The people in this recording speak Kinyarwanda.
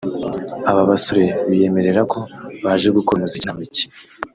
Aba basore biyemerera ko baje gukora umuziki nta mikino